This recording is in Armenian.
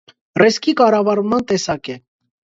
Ռիսկի կառավարման տեսակ է։